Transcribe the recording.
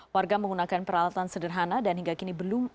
warga menggunakan peralatan sederhana dan hingga kini belum